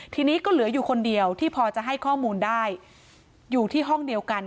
ทีนี้ก็เหลืออยู่คนเดียวที่พอจะให้ข้อมูลได้อยู่ที่ห้องเดียวกัน